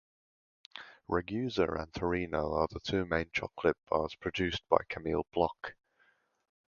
Ragusa and Torino are the two main chocolate bars produced by Camille Bloch.